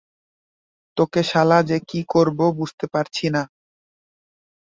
তোকে শালা যে কী করব বুঝতে পারছি না!